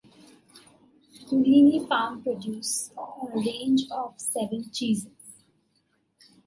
Cooleeney Farm produce a range of seven cheeses.